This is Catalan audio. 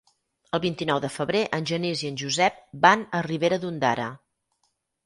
El vint-i-nou de febrer en Genís i en Josep van a Ribera d'Ondara.